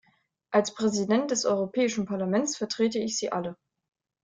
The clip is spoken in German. Als Präsident des Europäischen Parlaments vertrete ich Sie alle.